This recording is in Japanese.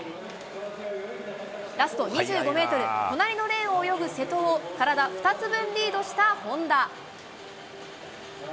ラスト２５メートル、隣のレーンを泳ぐ瀬戸を、体２つ分リードした本多。